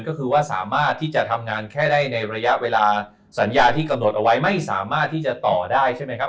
ก็คือว่าสามารถที่จะทำงานแค่ได้ในระยะเวลาสัญญาที่กำหนดเอาไว้ไม่สามารถที่จะต่อได้ใช่ไหมครับ